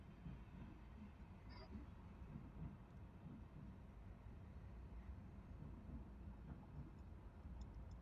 Uidhinishwaji ulibadilisha uamuzi wa Rais wa zamani wa Marekani Donald Trump wa Disemba mwaka elfu mbili na ishirini wa kuwaondoa wanajeshi